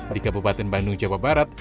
di kabupaten bandung jawa barat